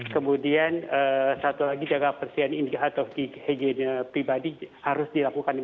kemudian satu lagi jaga persihan indikator higiene pribadi harus dilakukan